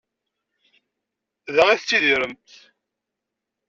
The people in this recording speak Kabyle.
Da i tettidiremt?